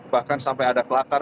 bahkan sampai ada kelakar